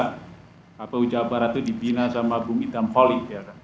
kepa ujabarat itu dibina sama bung itam poli